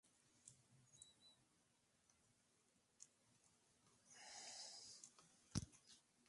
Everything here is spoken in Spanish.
Se casó con Rafaela Osorio antes de convertirse en gobernador de Puerto Rico.